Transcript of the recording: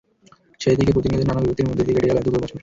সেই থেকে প্রতিনিয়ত নানা বিপত্তির মধ্য দিয়ে কেটে গেল এতগুলো বছর।